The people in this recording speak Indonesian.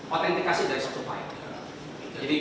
otentikasi dari suatu file